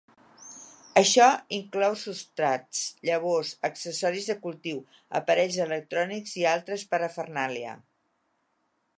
Això inclou substrats, llavors, accessoris de cultiu, aparells electrònics i altres parafernàlia.